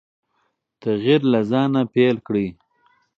تغیر له ځانه پیل کړئ.